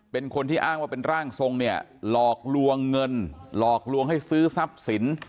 เป็นคนที่อ้างว่าเป็นร่างทรงเนี่ยหลอกลวงเงินหลอกลวงให้ซื้อทรัพย์สิน